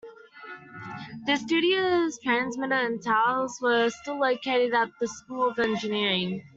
The studios, transmitter and towers were still located at the School of Engineering.